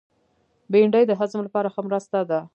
بېنډۍ د هضم لپاره ښه مرسته ده